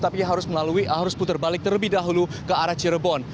tapi harus putar balik terlebih dahulu ke arah cirebon